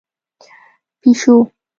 🐈 پېشو